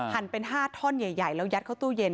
เป็น๕ท่อนใหญ่แล้วยัดเข้าตู้เย็น